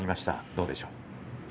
どうでしょうか。